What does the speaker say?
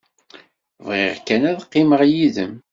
Bɣiɣ kan ad qqimeɣ yid-m.